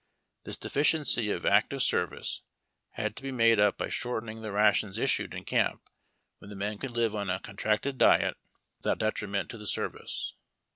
This deficiency of active service had to be made up by shortening the rations issued in camp when the men could live on a contracted diet with out detriment to the service.